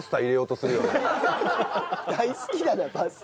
大好きだなパスタ。